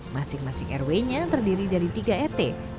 masing masing rw nya terdiri dari tiga rt